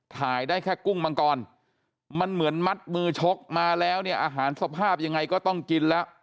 ถ่ายได้แค่กุ้งมังกรมันเหมือนมัดมือชกมาแล้วเนี่ยอาหารสภาพยังไงก็ต้องกินแล้ว